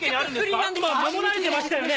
今守られてましたよね？